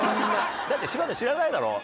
だって柴田知らないだろ？